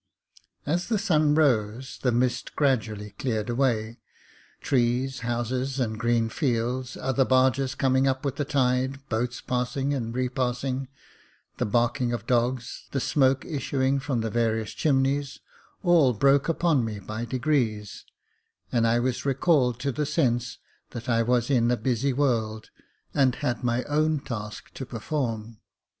As the sun rose, the mist gradually cleared away ; trees, houses, and green fields, other barges coming up with the tide, boats passing and repassing, the barking of dogs, the smoke issuing from the various chimneys, all broke upon me by degrees j and I was recalled to the sense that I was in a busy world, and had my own task to perform.